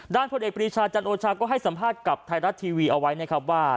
ผลเอกปรีชาจันโอชาก็ให้สัมภาษณ์กับไทยรัฐทีวีเอาไว้นะครับว่า